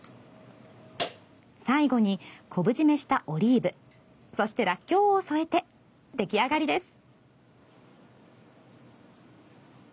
最後に、昆布締めしたオリーブそして、らっきょうを添えて出来上がりです。